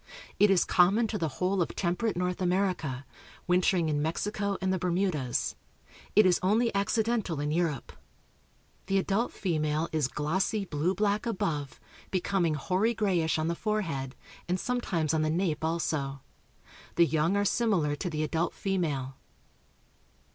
It is common to the whole of temperate North America, wintering in Mexico and the Bermudas. It is only accidental in Europe. The adult female is glossy blue black above, becoming hoary grayish on the forehead, and sometimes on the nape also. The young are similar to the adult female.